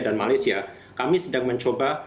dan malaysia kami sedang mencoba